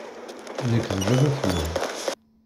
Nekk d baba-twen.